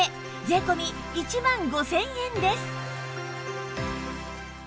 税込１万５０００円です